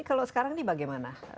kalau sekarang ini bagaimana